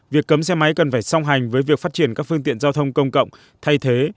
việc cấm xe máy cần phải song hành với việc phát triển các phương tiện giao thông công cộng thay thế